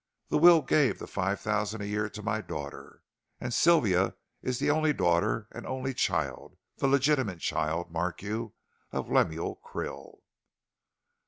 The will gave the five thousand a year to 'my daughter,' and Sylvia is the only daughter and only child the legitimate child, mark you of Lemuel Krill."